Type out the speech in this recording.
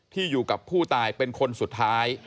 อยู่กับผู้ตายเป็นคนสุดท้าย